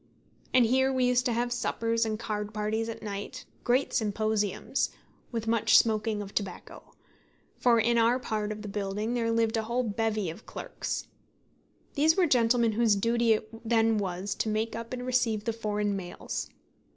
And here we used to have suppers and card parties at night great symposiums, with much smoking of tobacco; for in our part of the building there lived a whole bevy of clerks. These were gentlemen whose duty it then was to make up and receive the foreign mails.